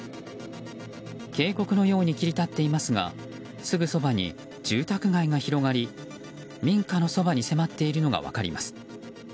渓谷のように切り立っていますがすぐそばに住宅街が広がり民家のそばに迫っているのが分かります。